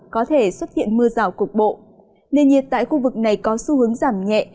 có thể xuất hiện mưa rào cục bộ nền nhiệt tại khu vực này có xu hướng giảm nhẹ